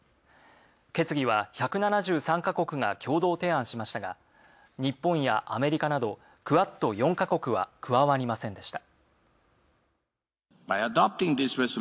決議は１７３か国が共同提案しましたが、日本やアメリカなどクアッド４か国は加わりませんでした。